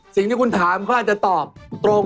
สิ่งที่คุณถามเขาอาจจะตอบตรง